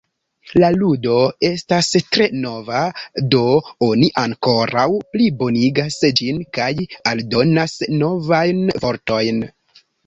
La ludo estas tre nova, do oni ankoraŭ plibonigas ĝin kaj aldonas novajn vortojn.